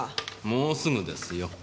もうすぐですよ。